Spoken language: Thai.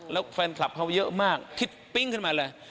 แล้วแฟนคลับเขาเยอะมากคิดปิ้งขึ้นมาเลย